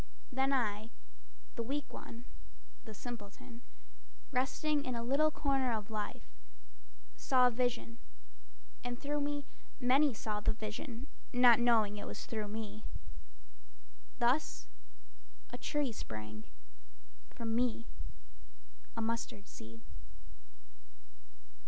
Then I, the weak one, the simpleton, Resting in a little corner of life, Saw a vision, and through me many saw the vision, Not knowing it was through me. Thus a tree sprang From me, a mustard seed.